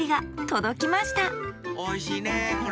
おいしいねこれ。